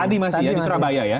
tadi masih ya di surabaya ya